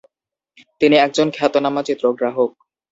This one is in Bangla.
তিনি একজন খ্যাতনামা চিত্রগ্রাহক।